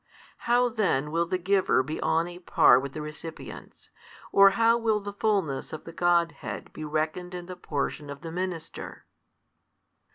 How then will the Giver be On a par with the recipients, or how will the Fullness of the God head be reckoned in the portion of the minister?